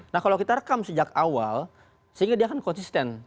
nah kalau kita rekam sejak awal sehingga dia kan konsisten